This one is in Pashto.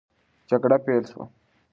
جګړه پیل سوه.